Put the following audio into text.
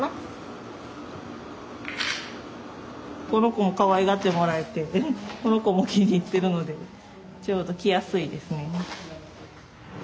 この子もかわいがってもらえてこの子も気に入ってるのでちょうど来やすいですね。